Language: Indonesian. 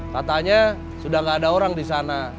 katanya sudah tidak ada orang di sana